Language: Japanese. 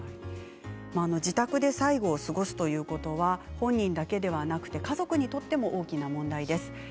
自宅で最期を過ごすということは本人だけではなくて家族にとっても大きな問題です。